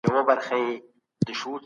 ما د هیواد د ابادۍ خوب ولیدلی.